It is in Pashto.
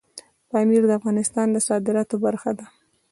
پامیر د افغانستان د صادراتو برخه ده.